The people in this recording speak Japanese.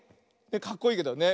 かっこいいけど。ね。